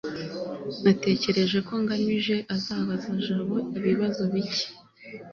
natekereje ko ngamije azabaza jabo ibibazo bike